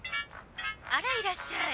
あらいらっしゃい。